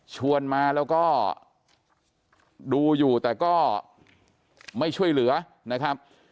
ชวนมาแล้วก็ดูอยู่แต่ก็ไม่ช่วยเหลือนะครับ